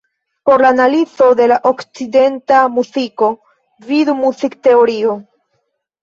Por la analizo de okcidenta muziko, vidu muzikteorio.